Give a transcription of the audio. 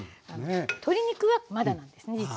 鶏肉はまだなんですね